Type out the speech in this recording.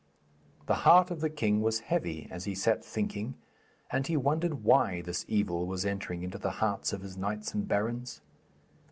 The heart of the king was heavy as he sat thinking, and he wondered why this evil was entering into the hearts of his knights and barons.